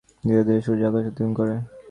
ধীরে ধীরে সূর্য আকাশ অতিক্রম করে।